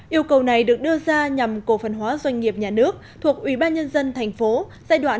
yêu cầu này được đưa ra nhằm cổ phần hóa doanh nghiệp nhà nước thuộc ủy ban nhân dân thành phố giai đoạn hai nghìn một mươi sáu hai nghìn hai mươi